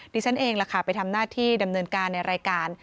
ดิฉันเองล่ะค่ะไปทำหน้าที่ดำเนินการในรายการ